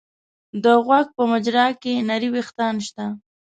د غوږ په مجرا کې نري وېښتان شته.